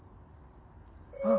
あっ。